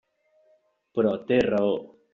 Però té raó.